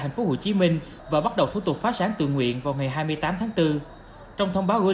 thành phố hồ chí minh và bắt đầu thủ tục phá sán tự nguyện vào ngày hai mươi tám tháng bốn trong thông báo gửi